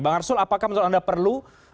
bang arsul apakah menurut anda perlu